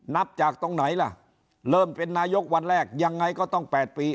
นับจากตรงไหนล่ะเริ่มเป็นนายกวันแรกยังไงก็ต้อง๘ปี